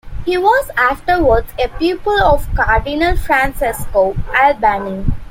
He was afterwards a pupil of Cardinal Francesco Albani.